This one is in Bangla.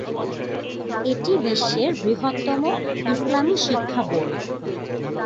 এটি বিশ্বের বৃহত্তম ইসলামী শিক্ষা বোর্ড।